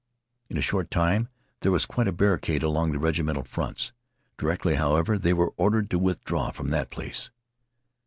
In a short time there was quite a barricade along the regimental fronts. Directly, however, they were ordered to withdraw from that place.